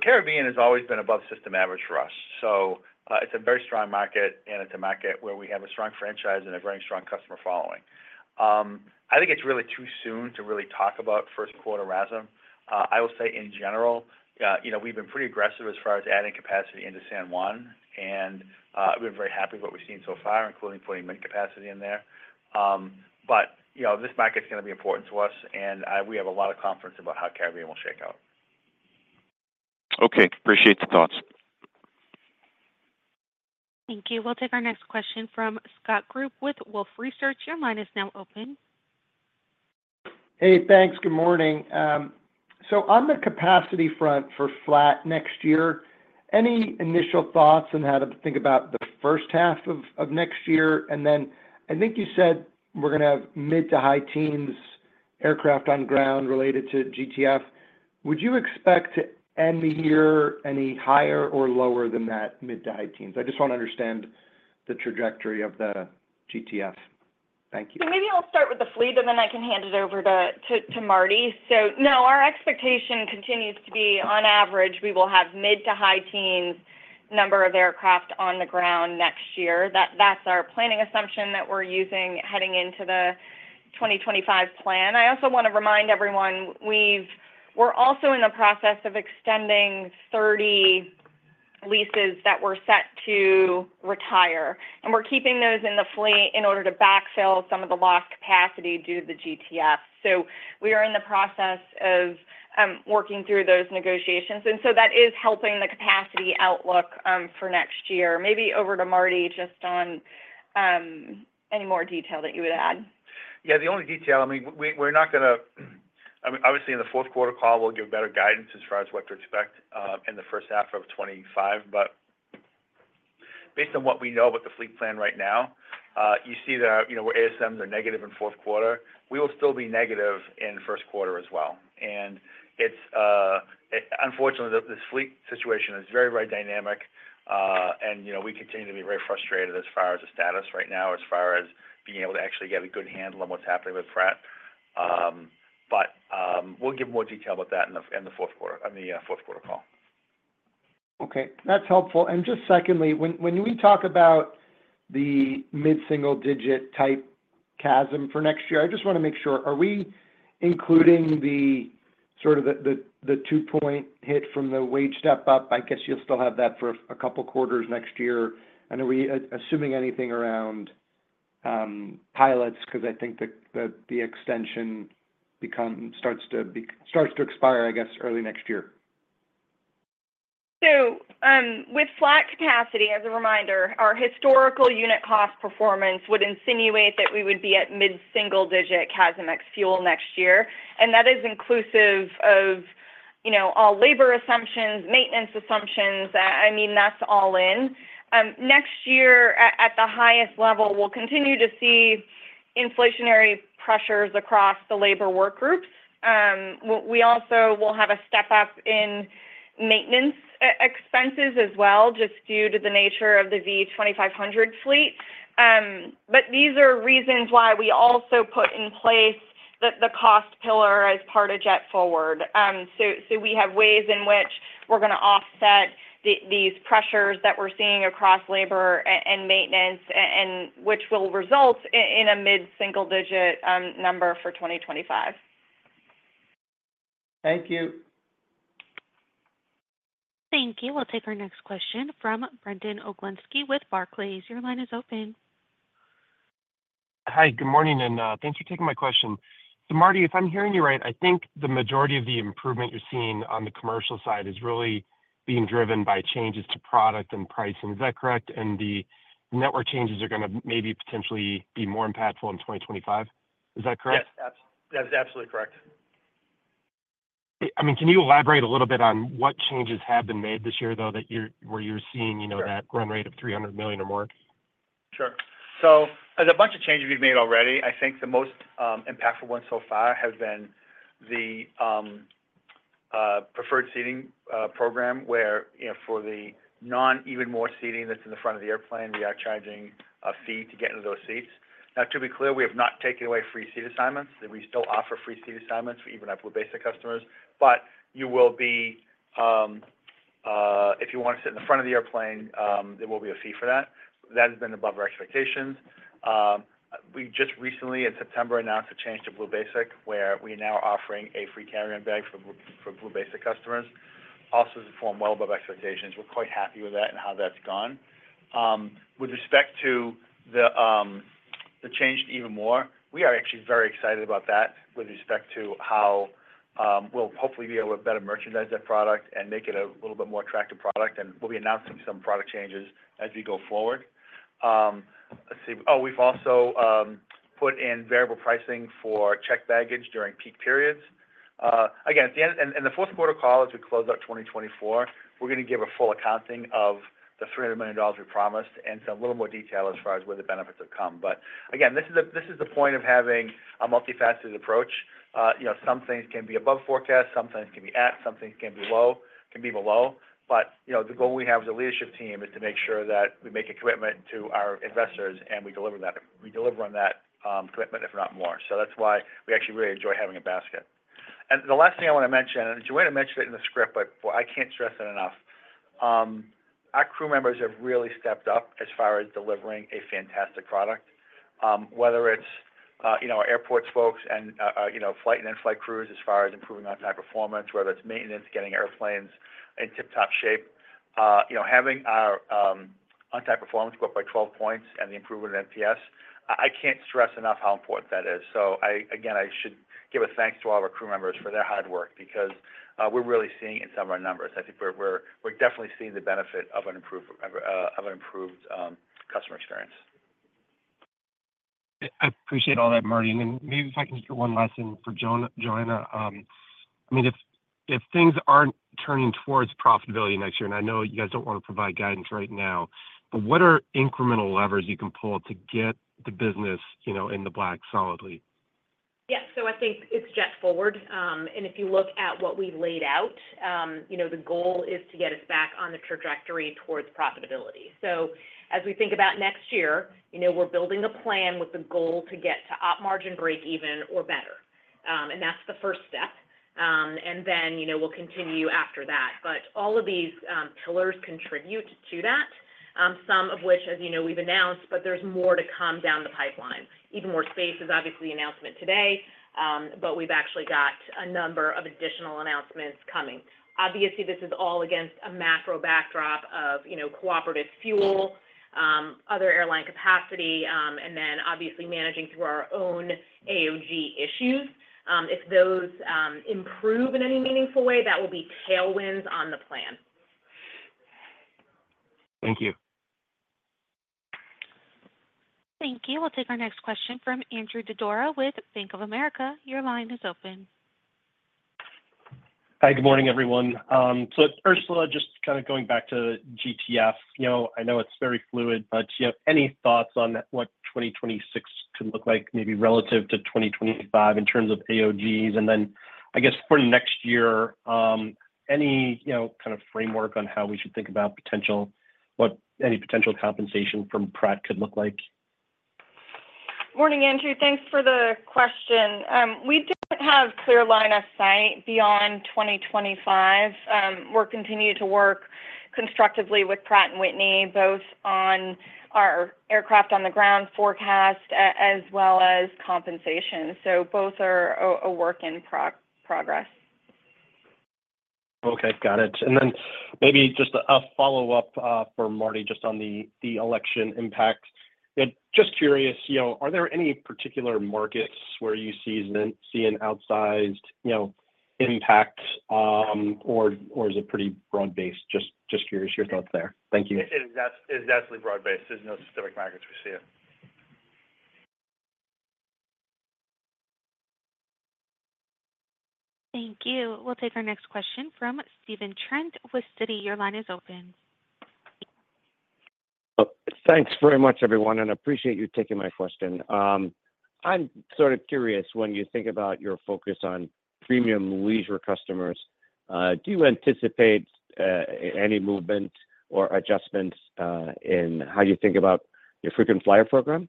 Caribbean has always been above system average for us. So it's a very strong market, and it's a market where we have a strong franchise and a very strong customer following. I think it's really too soon to really talk about first quarter RASM. I will say, in general, we've been pretty aggressive as far as adding capacity into San Juan, and we've been very happy with what we've seen so far, including putting mid-capacity in there. But this market's going to be important to us, and we have a lot of confidence about how Caribbean will shake out. Okay. Appreciate the thoughts. Thank you. We'll take our next question from Scott Group with Wolfe Research. Your line is now open. Hey, thanks. Good morning. So on the capacity front for flat next year, any initial thoughts on how to think about the first half of next year? And then I think you said we're going to have mid- to high-teens aircraft on the ground related to GTF. Would you expect to end the year any higher or lower than that, mid- to high-teens? I just want to understand the trajectory of the GTF. Thank you. Maybe I'll start with the fleet, and then I can hand it over to Marty. No, our expectation continues to be, on average, we will have mid- to high-teens number of aircraft on the ground next year. That's our planning assumption that we're using heading into the 2025 plan. I also want to remind everyone, we're also in the process of extending 30 leases that were set to retire. We're keeping those in the fleet in order to backfill some of the lost capacity due to the GTF. We are in the process of working through those negotiations. That is helping the capacity outlook for next year. Maybe over to Marty just on any more detail that you would add. Yeah. The only detail, I mean, we're not going to, obviously, in the fourth quarter call, we'll give better guidance as far as what to expect in the first half of 2025. But based on what we know about the fleet plan right now, you see that where ASMs are negative in fourth quarter, we will still be negative in first quarter as well. And unfortunately, this fleet situation is very, very dynamic, and we continue to be very frustrated as far as the status right now, as far as being able to actually get a good handle on what's happening with Pratt. But we'll give more detail about that in the fourth quarter call. Okay. That's helpful. And just secondly, when we talk about the mid-single-digit type CASM for next year, I just want to make sure, are we including sort of the two-point hit from the wage step-up? I guess you'll still have that for a couple of quarters next year. And are we assuming anything around pilots? Because I think the extension starts to expire, I guess, early next year. So with flat capacity, as a reminder, our historical unit cost performance would insinuate that we would be at mid-single-digit CASM ex-Fuel next year. And that is inclusive of all labor assumptions, maintenance assumptions. I mean, that's all in. Next year, at the highest level, we'll continue to see inflationary pressures across the labor work groups. We also will have a step-up in maintenance expenses as well, just due to the nature of the V2500 fleet. But these are reasons why we also put in place the cost pillar as part of JetForward. So we have ways in which we're going to offset these pressures that we're seeing across labor and maintenance, which will result in a mid-single-digit number for 2025. Thank you. Thank you. We'll take our next question from Brandon Oglenski with Barclays. Your line is open. Hi, good morning, and thanks for taking my question. So Marty, if I'm hearing you right, I think the majority of the improvement you're seeing on the commercial side is really being driven by changes to product and pricing. Is that correct? And the network changes are going to maybe potentially be more impactful in 2025. Is that correct? Yes. That's absolutely correct. I mean, can you elaborate a little bit on what changes have been made this year, though, where you're seeing that run rate of $300 million or more? Sure. So there's a bunch of changes we've made already. I think the most impactful ones so far have been the Preferred Seating program where for the non-Even More Space seating that's in the front of the airplane, we are charging a fee to get into those seats. Now, to be clear, we have not taken away free seat assignments. We still offer free seat assignments for even our basic customers. But you will be, if you want to sit in the front of the airplane, there will be a fee for that. That has been above our expectations. We just recently, in September, announced a change to Blue Basic where we are now offering a free carry-on bag for Blue Basic customers. Also, it's performed well above expectations. We're quite happy with that and how that's gone. With respect to the change to Even More, we are actually very excited about that with respect to how we'll hopefully be able to better merchandise that product and make it a little bit more attractive product. And we'll be announcing some product changes as we go forward. Let's see. Oh, we've also put in variable pricing for checked baggage during peak periods. Again, in the fourth quarter call, as we close out 2024, we're going to give a full accounting of the $300 million we promised and some a little more detail as far as where the benefits have come. But again, this is the point of having a multifaceted approach. Some things can be above forecast. Some things can be at. Some things can be below. But the goal we have as a leadership team is to make sure that we make a commitment to our investors, and we deliver on that commitment, if not more. So that's why we actually really enjoy having a basket. And the last thing I want to mention, and Duane mentioned it in the script, but I can't stress it enough. Our crew members have really stepped up as far as delivering a fantastic product, whether it's our airports folks and flight and in-flight crews as far as improving on-time performance, whether it's maintenance, getting airplanes in tip-top shape. Having our on-time performance go up by 12 points and the improvement in NPS, I can't stress enough how important that is. So again, I should give a thanks to all of our crew members for their hard work because we're really seeing it in some of our numbers.I think we're definitely seeing the benefit of an improved customer experience. I appreciate all that, Marty. And then maybe if I can get one last thing for Joanna. I mean, if things aren't turning towards profitability next year, and I know you guys don't want to provide guidance right now, but what are incremental levers you can pull to get the business in the black solidly? Yes. So I think it's JetForward. And if you look at what we laid out, the goal is to get us back on the trajectory towards profitability. So as we think about next year, we're building a plan with the goal to get to op margin break-even or better. And that's the first step. And then we'll continue after that. But all of these pillars contribute to that, some of which, as you know, we've announced, but there's more to come down the pipeline. Even More Space is obviously the announcement today, but we've actually got a number of additional announcements coming. Obviously, this is all against a macro backdrop of cooperative fuel, other airline capacity, and then obviously managing through our own AOG issues. If those improve in any meaningful way, that will be tailwinds on the plan. Thank you. Thank you. We'll take our next question from Andrew Didora with Bank of America. Your line is open. Hi, good morning, everyone. So Ursula, just kind of going back to GTF, I know it's very fluid, but any thoughts on what 2026 could look like, maybe relative to 2025 in terms of AOGs? And then I guess for next year, any kind of framework on how we should think about any potential compensation from Pratt could look like? Morning, Andrew. Thanks for the question. We don't have a clear line of sight beyond 2025. We're continuing to work constructively with Pratt & Whitney, both on our aircraft-on-the-ground forecast as well as compensation. So both are a work in progress. Okay. Got it, and then maybe just a follow-up for Marty just on the election impact. Just curious, are there any particular markets where you see an outsized impact, or is it pretty broad-based? Just curious, your thoughts there. Thank you. It's definitely broad-based. There's no specific markets we see. Thank you. We'll take our next question from Stephen Trent with Citi. Your line is open. Thanks very much, everyone, and I appreciate you taking my question. I'm sort of curious, when you think about your focus on premium leisure customers, do you anticipate any movement or adjustments in how you think about your frequent flyer program?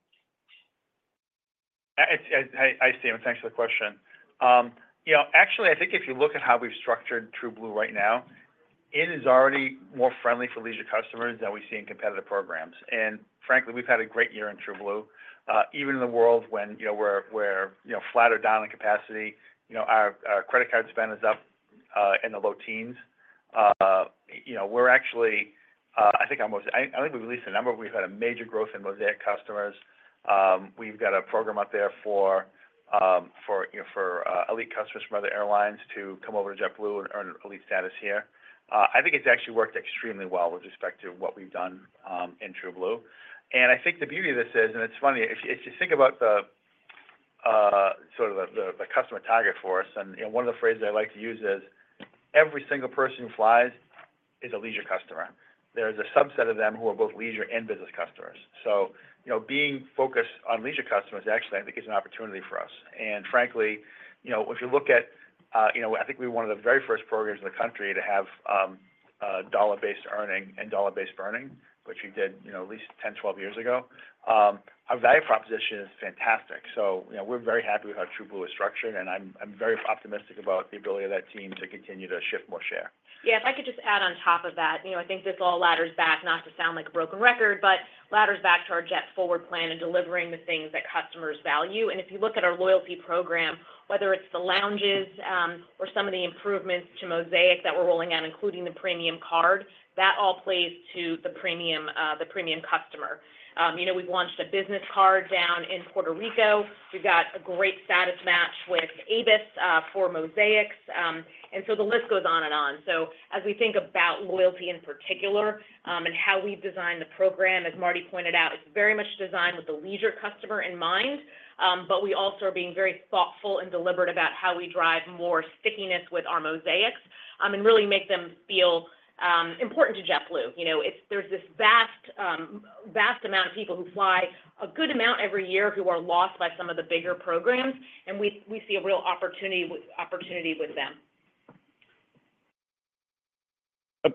I see. Thanks for the question. Actually, I think if you look at how we've structured TrueBlue right now, it is already more friendly for leisure customers than we see in competitive programs, and frankly, we've had a great year in TrueBlue. Even in a world where we're flattened down in capacity, our credit card spend is up in the low teens. We're actually, I think we released a number. We've had a major growth in Mosaic customers. We've got a program out there for elite customers from other airlines to come over to JetBlue and earn elite status here. I think it's actually worked extremely well with respect to what we've done in TrueBlue.I think the beauty of this is, and it's funny, if you think about sort of the customer target for us, and one of the phrases I like to use is, "Every single person who flies is a leisure customer." There is a subset of them who are both leisure and business customers. So being focused on leisure customers, actually, I think it's an opportunity for us. And frankly, if you look at, I think we were one of the very first programs in the country to have dollar-based earning and dollar-based burning, which we did at least 10, 12 years ago. Our value proposition is fantastic. So we're very happy with how TrueBlue is structured, and I'm very optimistic about the ability of that team to continue to shift more share. Yeah. If I could just add on top of that, I think this all ladders back, not to sound like a broken record, but ladders back to our JetForward plan and delivering the things that customers value. And if you look at our loyalty program, whether it's the lounges or some of the improvements to Mosaic that we're rolling out, including the premium card, that all plays to the premium customer. We've launched a business card down in Puerto Rico. We've got a great status match with Avis for Mosaics. And so the list goes on and on. So as we think about loyalty in particular and how we've designed the program, as Marty pointed out, it's very much designed with the leisure customer in mind, but we also are being very thoughtful and deliberate about how we drive more stickiness with our Mosaics and really make them feel important to JetBlue. There's this vast amount of people who fly a good amount every year who are lost by some of the bigger programs, and we see a real opportunity with them.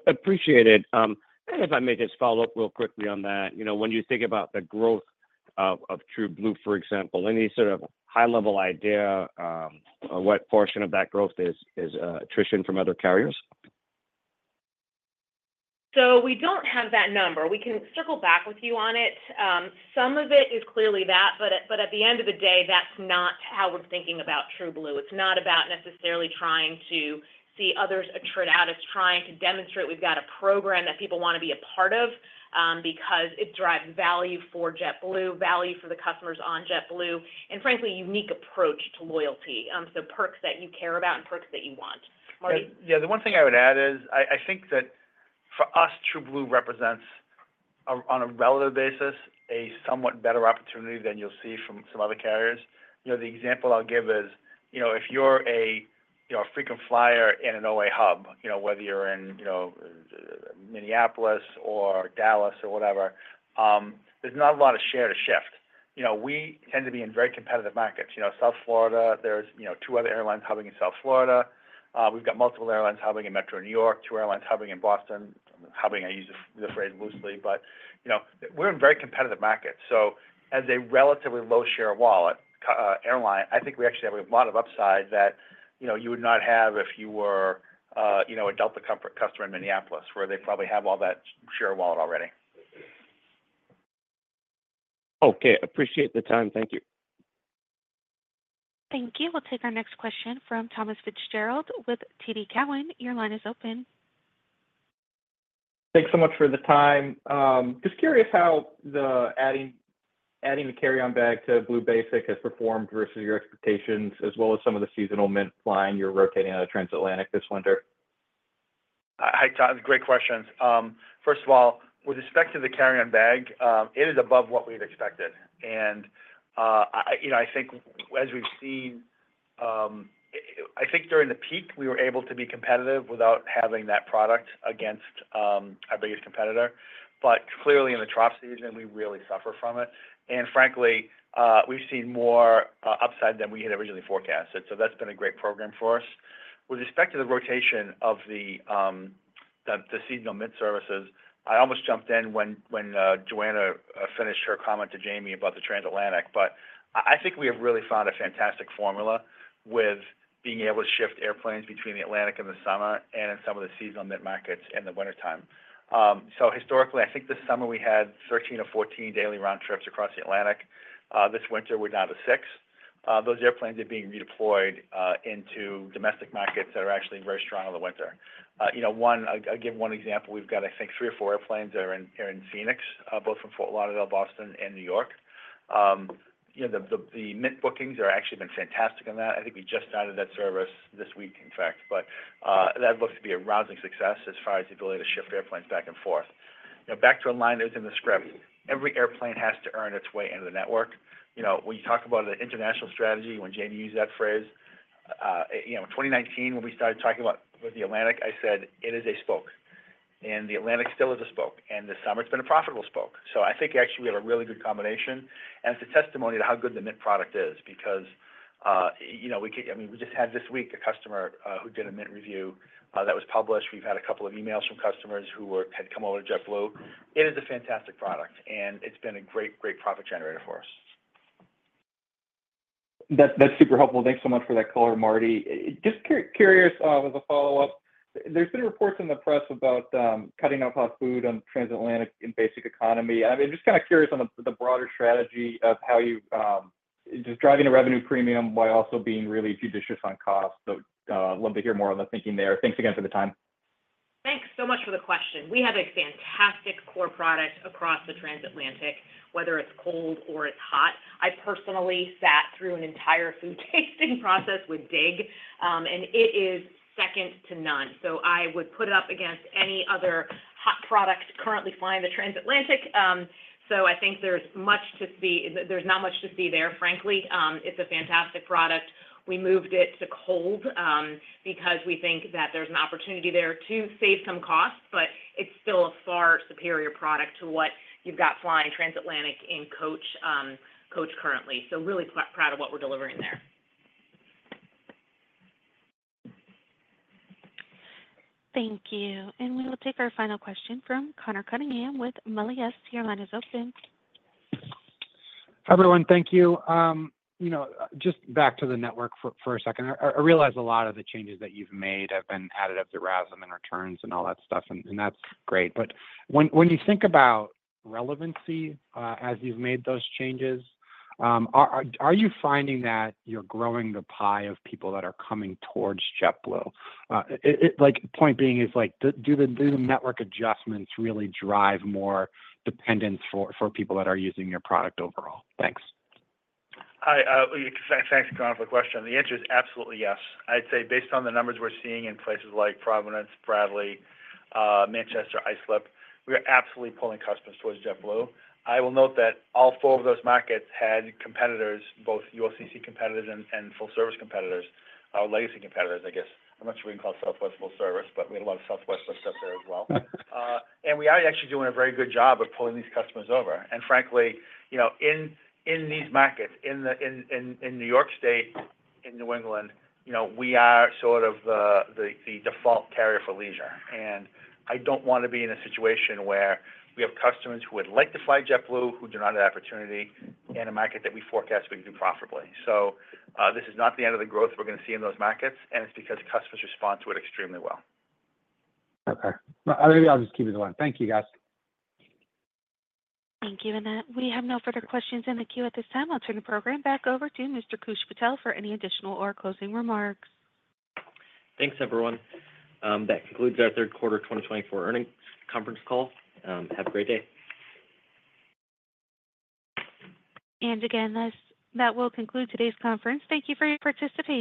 Appreciate it. And if I may just follow up real quickly on that, when you think about the growth of TrueBlue, for example, any sort of high-level idea of what portion of that growth is attrition from other carriers? So we don't have that number. We can circle back with you on it. Some of it is clearly that, but at the end of the day, that's not how we're thinking about TrueBlue. It's not about necessarily trying to see others attrite. It's trying to demonstrate we've got a program that people want to be a part of because it drives value for JetBlue, value for the customers on JetBlue, and frankly, a unique approach to loyalty. So perks that you care about and perks that you want. Marty? Yeah. The one thing I would add is I think that for us, TrueBlue represents, on a relative basis, a somewhat better opportunity than you'll see from some other carriers. The example I'll give is if you're a frequent flyer in an OA hub, whether you're in Minneapolis or Dallas or whatever, there's not a lot of share to shift. We tend to be in very competitive markets. South Florida, there's two other airlines hubbing in South Florida. We've got multiple airlines hubbing in Metro New York, two airlines hubbing in Boston. Hubbing, I use the phrase loosely, but we're in very competitive markets. So as a relatively low-share wallet airline, I think we actually have a lot of upside that you would not have if you were a Delta customer in Minneapolis, where they probably have all that share wallet already. Okay. Appreciate the time. Thank you. Thank you. We'll take our next question from Thomas Fitzgerald with TD Cowen. Your line is open. Thanks so much for the time. Just curious how adding the carry-on bag to Blue Basic has performed versus your expectations, as well as some of the seasonal Mint flying you're rotating out of transatlantic this winter? Hi, Tom. Great questions. First of all, with respect to the carry-on bag, it is above what we've expected. And I think as we've seen, I think during the peak, we were able to be competitive without having that product against our biggest competitor. But clearly, in the trough season, we really suffer from it. And frankly, we've seen more upside than we had originally forecast. And so that's been a great program for us. With respect to the rotation of the seasonal Mint services, I almost jumped in when Joanna finished her comment to Jamie about the transatlantic, but I think we have really found a fantastic formula with being able to shift airplanes between the Atlantic in the summer and in some of the seasonal Mint markets in the wintertime. So historically, I think this summer we had 13 or 14 daily round trips across the Atlantic. This winter, we're down to six. Those airplanes are being redeployed into domestic markets that are actually very strong in the winter. I'll give one example. We've got, I think, three or four airplanes that are in Phoenix, both from Fort Lauderdale, Boston, and New York. The Mint bookings have actually been fantastic on that. I think we just started that service this week, in fact, but that looks to be a rousing success as far as the ability to shift airplanes back and forth. Back to a line that was in the script, every airplane has to earn its way into the network. When you talk about the international strategy, when Jamie used that phrase, 2019, when we started talking about the Atlantic, I said, "It is a spoke." And the Atlantic still is a spoke. And this summer, it's been a profitable spoke. So I think actually we have a really good combination. And it's a testimony to how good the Mint product is because we just had this week a customer who did a Mint review that was published. We've had a couple of emails from customers who had come over to JetBlue. It is a fantastic product, and it's been a great, great profit generator for us. That's super helpful. Thanks so much for that color, Marty. Just curious as a follow-up, there's been reports in the press about cutting back on food on Transatlantic and basic economy. I'm just kind of curious on the broader strategy of how you're just driving a revenue premium while also being really judicious on cost. So I'd love to hear more on the thinking there. Thanks again for the time. Thanks so much for the question. We have a fantastic core product across the transatlantic, whether it's cold or it's hot. I personally sat through an entire food tasting process with Dig, and it is second to none. So I would put it up against any other hot product currently flying the transatlantic. So I think there's much to see. There's not much to see there, frankly. It's a fantastic product. We moved it to cold because we think that there's an opportunity there to save some costs, but it's still a far superior product to what you've got flying transatlantic in coach currently. So really proud of what we're delivering there. Thank you. And we will take our final question from Conor Cunningham with Melius Research. Your line is open. Hi, everyone. Thank you. Just back to the network for a second. I realize a lot of the changes that you've made have been additive to RASM and returns and all that stuff, and that's great. But when you think about relevancy as you've made those changes, are you finding that you're growing the pie of people that are coming towards JetBlue? Point being is, do the network adjustments really drive more dependence for people that are using your product overall? Thanks. Thanks, Conor, for the question. The answer is absolutely yes. I'd say based on the numbers we're seeing in places like Providence, Bradley, Manchester, Islip, we are absolutely pulling customers towards JetBlue. I will note that all four of those markets had competitors, both ULCC competitors and full-service competitors, our legacy competitors, I guess. I'm not sure we can call it Southwest full service, but we had a lot of Southwest stuff there as well, and we are actually doing a very good job of pulling these customers over, and frankly, in these markets, in New York State, in New England, we are sort of the default carrier for leisure, and I don't want to be in a situation where we have customers who would like to fly JetBlue who do not have the opportunity in a market that we forecast we could do profitably. So this is not the end of the growth we're going to see in those markets, and it's because customers respond to it extremely well. Okay. I'll just keep it to that. Thank you, guys. Thank you, Annette. We have no further questions in the queue at this time. I'll turn the program back over to Mr. Koosh Patel for any additional or closing remarks. Thanks, everyone. That concludes our Third Quarter 2024 Earnings Conference Call. Have a great day. Again, that will conclude today's conference. Thank you for your participation.